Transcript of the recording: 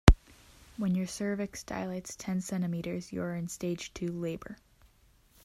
When your cervix dilates ten centimetres you are in stage two labour.